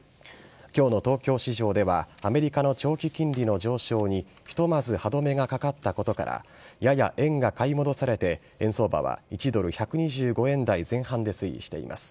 今日の東京市場ではアメリカの長期金利の上昇にひとまず歯止めがかかったことからやや円が買い戻されて円相場は１ドル１２５円台前半で推移しています。